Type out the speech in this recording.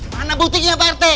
mana butiknya pak rt